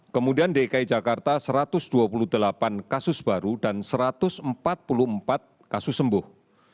kemudian dki jakarta satu ratus dua puluh delapan kasus baru dan satu ratus empat puluh empat kasus sembuh